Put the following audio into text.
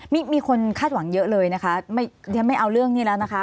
มีคนคาดหวังเยอะเลยนะคะไม่ฉันไม่เอาเรื่องนี้แล้วนะคะ